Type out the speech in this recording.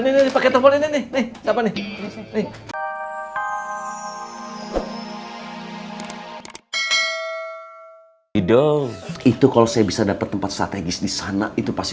nih pakai telepon ini nih nih apa nih itu kalau saya bisa dapat tempat strategis di sana itu pasti